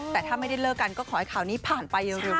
แต่ถ้าไม่ได้เลิกกันก็ขอให้ข่าวนี้ผ่านไปเร็ว